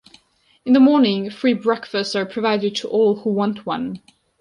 In the morning, free breakfasts are provided to all who want one.